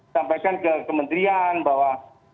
sampaikan ke kementerian bahwa